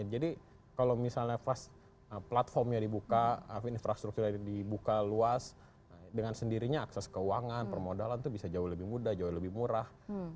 jadi kalau misalnya platformnya dibuka infrastrukturnya dibuka luas dengan sendirinya akses keuangan permodalan tuh bisa jauh lebih mudah jauh lebih murah